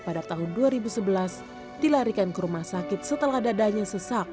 pada tahun dua ribu sebelas dilarikan ke rumah sakit setelah dadanya sesak